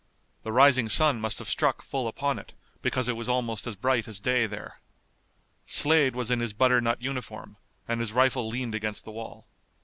The rising sun must have struck full upon it, because it was almost as bright as day there. Slade was in his butternut uniform, and his rifle leaned against the wall.